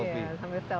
iya sambil selfie